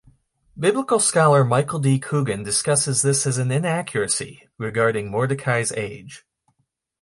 Biblical scholar Michael D. Coogan discusses this as an inaccuracy regarding Mordecai's age.